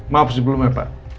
maaf sebelumnya pak